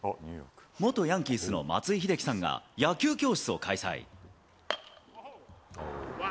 元ヤンキースの松井秀喜さんが野球教室を開催。